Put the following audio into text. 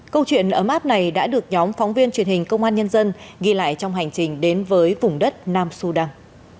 câu chuyện ấm áp này đã được nhóm phóng viên truyền hình công an nhân dân ghi lại trong hành trình đến với vùng đất nam sudan